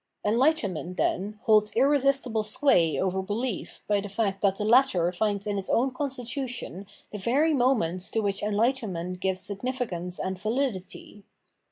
Enlightenment, then, holds irresistible sway over behef by the fact that the latter finds in its own constitution the very moments to which enlightenment gives signifi.cance and vahdity.